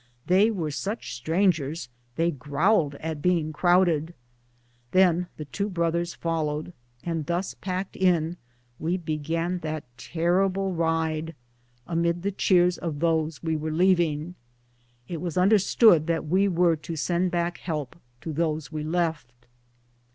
They were such strangers they growled at being crowd ed. Tlien the two brothers followed, and thus packed in we began that terrible ride, amid the cheers of those we were leaving. It was understood that we were to send back help to those we left.